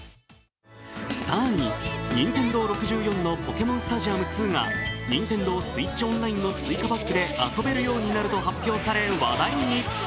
３位、ＮＩＮＴＥＮＤＯ６４の「ポケモンスタジアム２」がＮｉｎｔｅｎｄｏＳｗｉｔｃｈＯｎｌｉｎｅの追加パックで遊べるようになると発表され話題に。